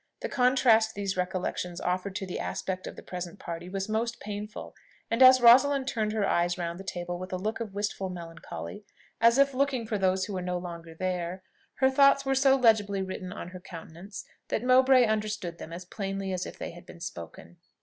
The contrast these recollections offered to the aspect of the present party was most painful; and as Rosalind turned her eyes round the table with a look of wistful melancholy, as if looking for those who were no longer there, her thoughts were so legibly written on her countenance, that Mowbray understood them as plainly as if they had been spoken.